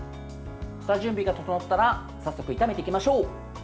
下準備が整ったら早速、炒めていきましょう。